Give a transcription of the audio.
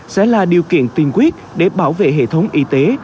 sẽ là điều kiện tiên quyết để bảo vệ hệ thống y tế